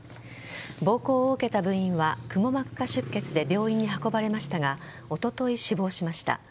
暴行を受けた部員はくも膜下出血で病院に運ばれましたがおととい死亡しました。